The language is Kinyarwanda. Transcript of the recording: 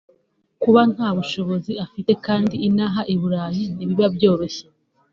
kuba nta bushobozi afite kandi inaha i Burayi ntibiba byoroshye